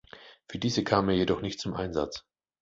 Für diese kam er jedoch nicht zum Einsatz.